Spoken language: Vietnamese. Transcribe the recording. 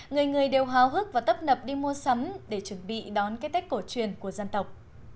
người người đều hào hức và tấp nập đi mua sắm để chuẩn bị đón cái tết cổ truyền của dân tộc